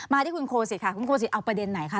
ที่คุณโคสิตค่ะคุณโคศิเอาประเด็นไหนคะ